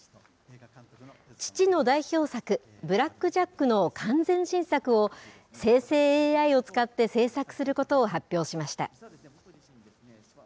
父の代表作、ブラック・ジャックの完全新作を、生成ＡＩを使って制作することを発表しました。